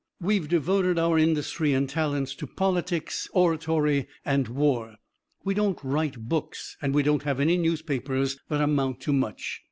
We've devoted our industry and talents to politics, oratory and war. We don't write books, and we don't have any newspapers that amount to much.